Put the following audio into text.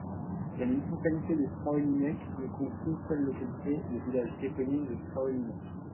La municipalité de Strahoninec ne compte qu'une seule localité, le village éponyme de Strahoninec.